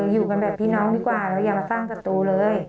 อยู่กันแบบพี่น้องดีกว่าแล้วอย่ามาสร้างสัตว์เลย